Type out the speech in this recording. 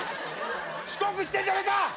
遅刻してんじゃねえか。